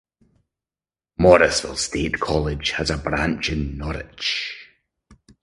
Morrisville State College has a branch in Norwich.